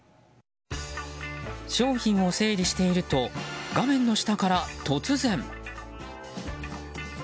商品を整理していると画面の下から突然。